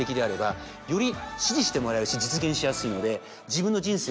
実現しやすいので。